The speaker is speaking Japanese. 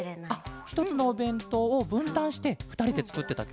ひとつのおべんとうをぶんたんしてふたりでつくってたケロ？